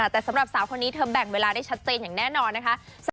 แต่สำหรับสาวคนนี้เธอแบ่งเวลาได้ชัดเจนอย่างแน่นอนนะคะ